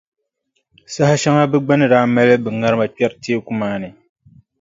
Saha shɛŋa bɛ gba ni daa mali bɛ ŋarima kpɛri teeku maa ni.